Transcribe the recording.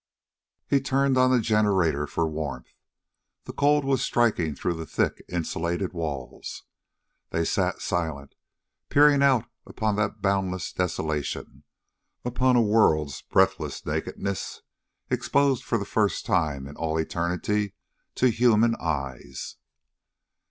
He turned on the generator for warmth. The cold was striking through the thick insulated walls. They sat silent, peering out upon that boundless desolation, upon a world's breathless nakedness, exposed for the first time in all eternity to human eyes.